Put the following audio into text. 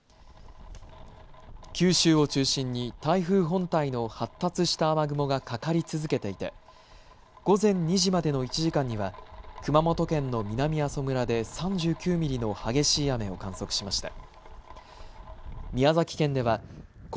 九州を中心に台風本体の発達した雨雲がかかり続けていて午前２時までの１時間には熊本県の南阿蘇村で３９ミリの激しい雨を観測しました。